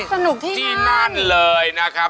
สนุกที่นี่นั่นเลยนะครับ